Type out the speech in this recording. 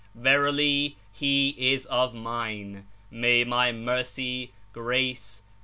Verily, he is of Mine. May My Mercy, (^race.